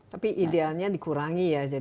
tapi idealnya dikurangi ya